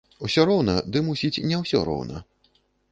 Усё роўна, ды, мусіць, не ўсё роўна.